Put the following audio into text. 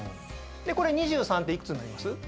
これ２３って幾つになります？